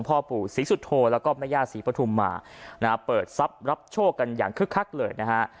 พ่อปู่ศรีสุโธแล้วก็แม่ย่าศรีปฐุมมานะฮะเปิดทรัพย์รับโชคกันอย่างคึกคักเลยนะฮะ